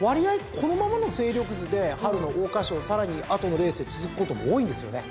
このままの勢力図で春の桜花賞さらに後のレースへ続くことも多いんですよね。